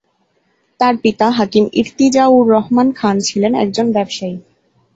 তার পিতা হাকিম ইরতিজা-উর-রহমান খান ছিলেন একজন ব্যবসায়ী।